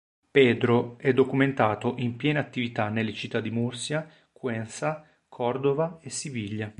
Pedro è documentato in piena attività nelle città di Murcia, Cuenca, Cordova e Siviglia.